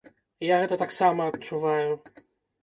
Я гэта таксама адчуваю.